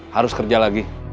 harus kerja lagi